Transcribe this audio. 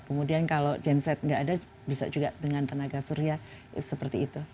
kemudian kalau genset nggak ada bisa juga dengan tenaga surya seperti itu